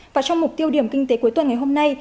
và trong mục tiêu điểm kinh tế cuối tuần ngày hôm nay